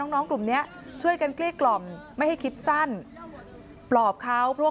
น้องกลุ่มนี้ช่วยกันเกลี้กล่อมไม่ให้คิดสั้นปลอบเขาเพราะ